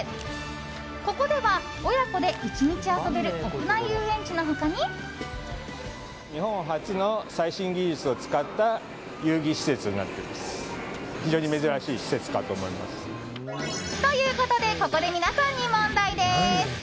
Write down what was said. ここでは、親子で１日遊べる屋内遊園地の他に。ということでここで皆さんに問題です。